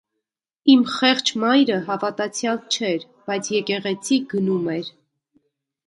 Իմ խեղճ մայրը հավատացյալ չէր, բայց եկեղեցի գնում էր: